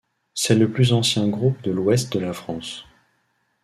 C'est le plus ancien groupe de l'ouest de la France.